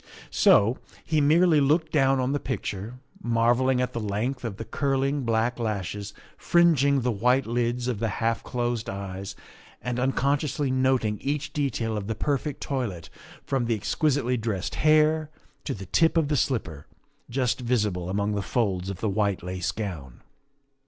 So he merely looked down on the picture, marvelling at the length of the curling black lashes fringing the white lids of the half closed eyes and un consciously noting each detail of the perfect toilet, from the exquisitely dressed hair to the tip of the slipper just visible among the folds of the white lace gown.